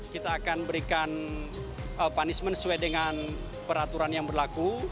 kita akan berikan punishment sesuai dengan peraturan yang berlaku